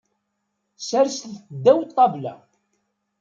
Serset-t ddaw ṭṭabla.